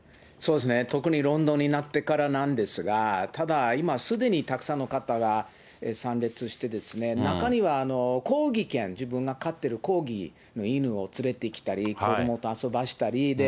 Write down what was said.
特にロンドンになってからなんですが、ただ、今、すでにたくさんの方が参列して、中にはコーギー犬、自分が飼ってるコーギーの犬を連れてきたり、子どもと遊ばしたりで、